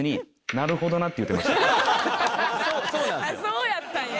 そうやったんや。